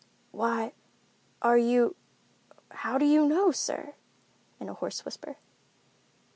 "Why—are you—how do you know, sir?" in a hoarse whisper.